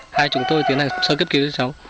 hai chúng tôi tiến hành sơ cứu cho cháu